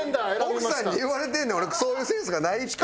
奥さんに言われてんねん俺そういうセンスがないって。